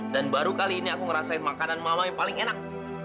dan baru kali ini aku ngerasain makanan mama yang paling enak